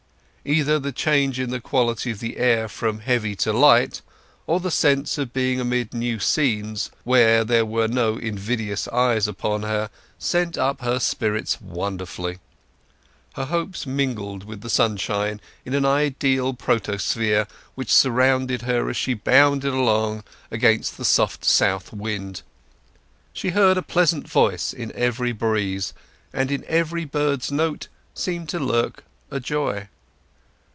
Either the change in the quality of the air from heavy to light, or the sense of being amid new scenes where there were no invidious eyes upon her, sent up her spirits wonderfully. Her hopes mingled with the sunshine in an ideal photosphere which surrounded her as she bounded along against the soft south wind. She heard a pleasant voice in every breeze, and in every bird's note seemed to lurk a joy.